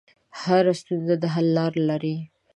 هره ستونزه د حل لاره لري.